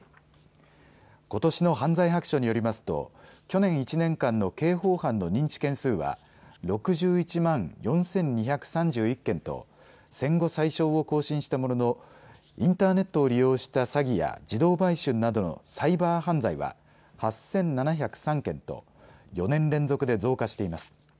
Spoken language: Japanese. ことしの犯罪白書によりますと去年１年間の刑法犯の認知件数は６１万４２３１件と戦後最少を更新したもののインターネットを利用した詐欺や児童買春などのサイバー犯罪は８７０３件と４年連続で増加しています。